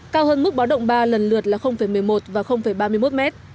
cao hơn mức báo động ba lần lượt là một mươi một và ba mươi một m